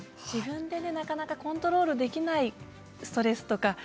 自分でなかなかコントロールできないストレスとか。